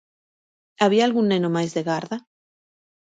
¿Había algún neno máis de garda?